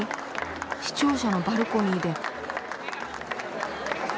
市庁舎のバルコニーで。